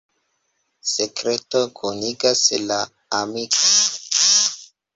Sekreto kunigas la amikojn.